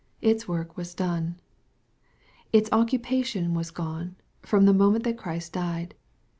Its work was done. Its occu pation was gone, from the moment that Christ died.